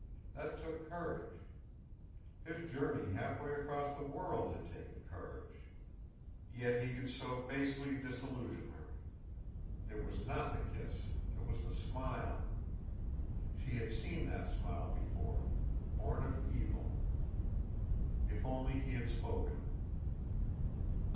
That took courage. His journey halfway across the world had taken courage. Yet he could so basely disillusion her. It was not the kiss; it was the smile. She had seen that smile before, born of evil. If only he had spoken!